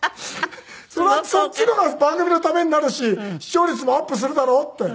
「そりゃそっちの方が番組のためになるし視聴率もアップするだろう」って。